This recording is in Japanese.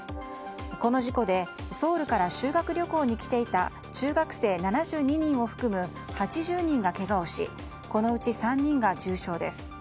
この事故でソウルから修学旅行に来ていた中学生７２人を含む８０人がけがをしこのうち３人が重傷です。